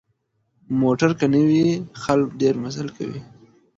موټر که نه وي، خلک ډېر مزل کوي.